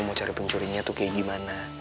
mau cari pencurinya tuh kayak gimana